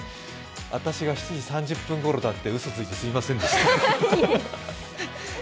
私が７時３０分ごろだとうそついてすみませんでした。